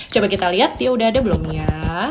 coba kita lihat dia udah ada belum ya